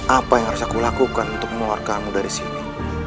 apa yang harus aku lakukan untuk mengeluarkanmu dari sini